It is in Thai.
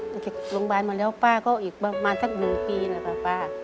โรงพยาบาลมาแล้วป้าก็อีกประมาณสักหนึ่งปีนะครับป้า